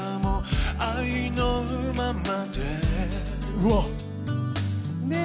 うわっねっ